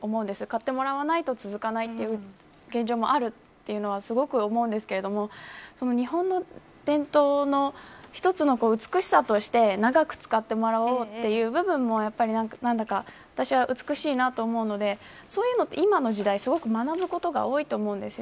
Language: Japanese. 買ってもらわないと続かないという現状もあるというのはすごく思うんですけれども日本の伝統の一つの美しさとして長く使ってもらおうという部分も何だか、私は美しいなと思うのでそういうのって今の時代すごく学ぶことが多いと思うんです。